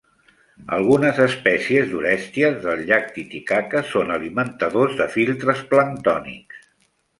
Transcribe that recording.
Algunes espècies d'"Orestias" del llac Titicaca són alimentadors de filtres planctònics.